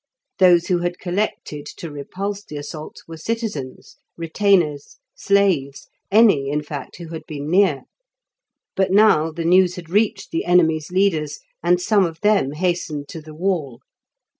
Those who had collected to repulse the assault were citizens, retainers, slaves, any, in fact who had been near. But now the news had reached the enemy's leaders, and some of them hastened to the wall.